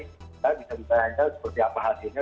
kita bisa ditanyakan seperti apa hasilnya